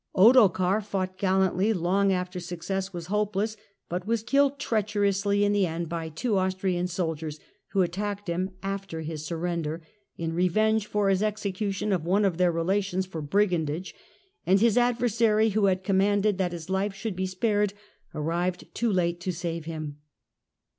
Ottokar fought gallantly long after success was hope Death of less, but was killed treacherously in the end by two Austrian soldiers, who attacked him after his surrender, in revenge for his execution of one of their relations for brigandage ; and his adversary who had commanded that his life should be spared arrived too late to save him.